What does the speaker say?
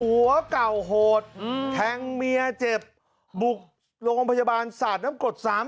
หัวเก่าโหดแทงเมียเจ็บบุกโรงพยาบาลสาดน้ำกรด๓๐